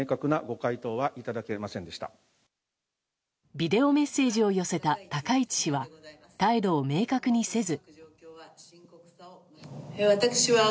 ビデオメッセージを寄せた高市氏は態度を明確にせず。